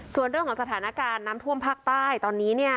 ส่วนเรื่องของสถานการณ์น้ำท่วมภาคใต้ตอนนี้เนี่ย